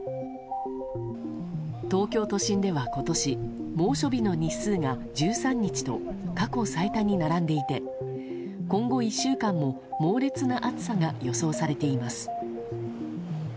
東京都心では今年猛暑日の日数が１３日と過去最多に並んでいて今後１週間も猛烈な暑さが予想されています。